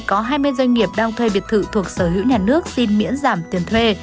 có hai mươi doanh nghiệp đang thuê biệt thự thuộc sở hữu nhà nước xin miễn giảm tiền thuê